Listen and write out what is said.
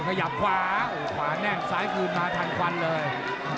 ขยับขวาโอ้โหขวาแน่นซ้ายคืนมาทันควันเลย